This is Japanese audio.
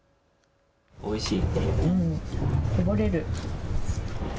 おいしい。